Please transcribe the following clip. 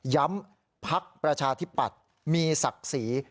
ย้ำภักดิ์ประชาธิปัตย์มีศักดิ์สี